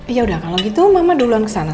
ya udah kalau gitu mama duluan ke sana